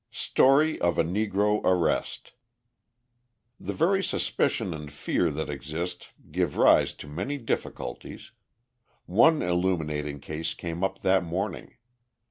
Story of a Negro Arrest The very suspicion and fear that exist give rise to many difficulties. One illuminating case came up that morning.